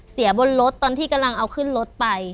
บนรถตอนที่กำลังเอาขึ้นรถไป